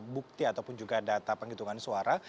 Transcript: bukti ataupun juga data penghitungan suara